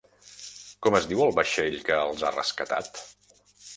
Com es diu el vaixell que els ha rescatat?